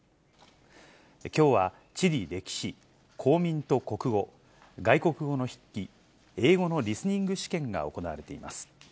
きょうは地理歴史、公民と国語、外国語の筆記、英語のリスニング試験が行われています。